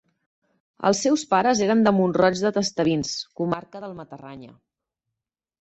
Els seus pares eren de Mont-roig de Tastavins, comarca del Matarranya.